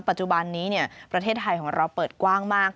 ปัจจุบันนี้ประเทศไทยของเราเปิดกว้างมาก